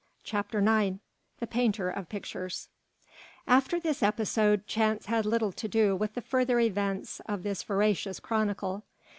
CHAPTER IX THE PAINTER OF PICTURES After this episode Chance had little to do with the further events of this veracious chronicle.